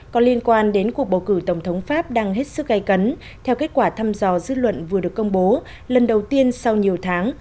còn liên quan đến cuộc bầu cử tổng thống pháp đang hết sức gây cấn theo kết quả thăm dò dư luận vừa được công bố lần đầu tiên sau nhiều tháng